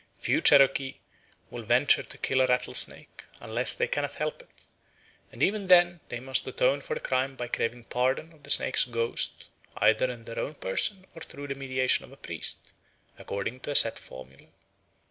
Few Cherokee will venture to kill a rattlesnake, unless they cannot help it, and even then they must atone for the crime by craving pardon of the snake's ghost either in their own person or through the mediation of a priest, according to a set formula.